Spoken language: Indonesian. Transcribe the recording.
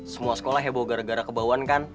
semua sekolah heboh gara gara kebawaan kan